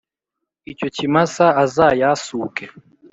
icyo kimasa azayasuke